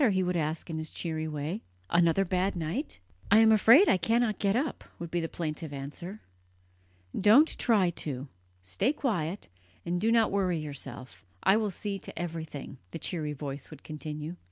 he would ask in his cheery way "another bad night?" "I am afraid I cannot get up," would be the plaintive answer. "Don't try to; stay quiet, and do not worry yourself I will see to everything," the cheery voice would continue.